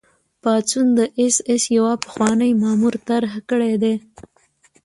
پاڅون د اېس ایس یوه پخواني مامور طرح کړی دی